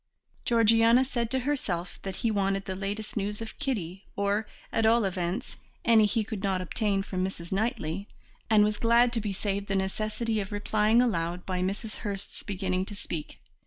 Georgiana said to herself that he wanted the latest news of Kitty, or, at all events, any he could not obtain from Mrs. Knightley, and was glad to be saved the necessity of replying aloud by Mrs. Hurst's beginning to speak.